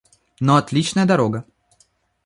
Но отличная дорога.